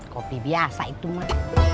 kopi biasa itu mah